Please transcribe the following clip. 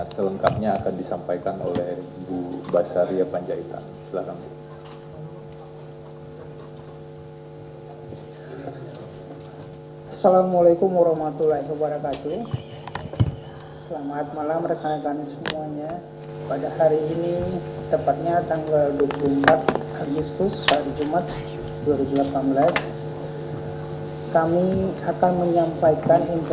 selengkapnya akan disampaikan oleh bu basaria panjaitan silahkan